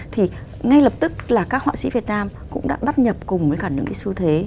thì ngay lập tức là các họa sĩ việt nam cũng đã bắt nhập cùng với cả những cái xu thế